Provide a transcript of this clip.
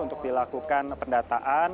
untuk dilakukan pendataan